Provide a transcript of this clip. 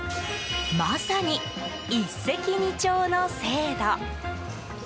まさに一石二鳥の制度。